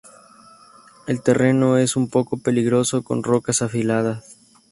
El terreno es un poco peligroso, con rocas afiladas.